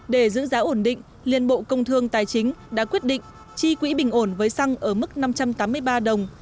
để giữ giá ổn định liên bộ công thương tài chính đã quyết định chi quỹ bình ổn với xăng ở mức năm trăm tám mươi ba đồng